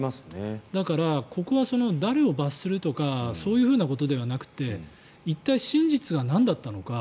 だからここは誰を罰するとかそういうことではなくて一体、真実はなんだったのか。